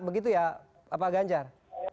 begitu ya pak ganjar